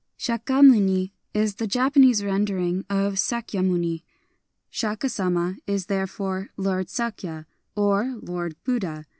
SJiahamuni is the Japanese rendering of " Sakyamuni ;"" Shaka Sama " is therefore "Lord Sakya," or "Lord Buddha."